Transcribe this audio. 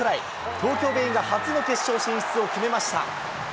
東京ベイが初の決勝進出を決めました。